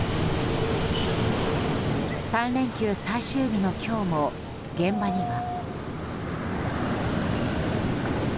３連休最終日の今日も現場には。